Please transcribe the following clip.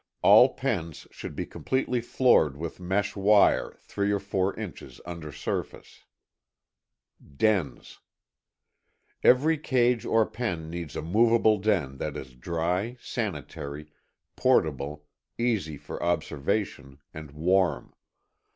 All pens should be completely floored with mesh wire three or four inches under surface. 5.ŌĆöDens. Every cage or pen needs a movable den that is dry, sanitary, portable, easy for observation, and warm.